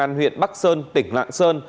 công an huyện bắc sơn tỉnh lạng sơn